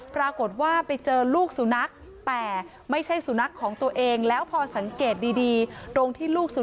ปรากฏว่าไปเจอลูกสุนัขแต่ไม่ใช่สุนัขของตัวเอง